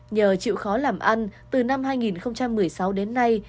nhờ chịu khó làm ăn từ năm hai nghìn một mươi sáu đến nay